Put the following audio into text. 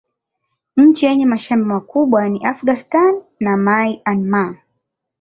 Nchi yenye mashamba makubwa ni Afghanistan na Myanmar.